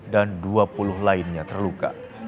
dan dua puluh lainnya terluka